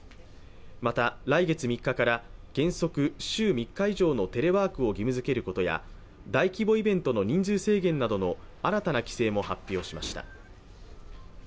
また来月３日から原則、週３日以上のテレワークを義務づけることや大規模イベントの人数制限などの新たな規制も発表しました。